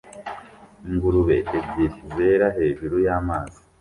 Ingurube ebyiri zera hejuru y'amazi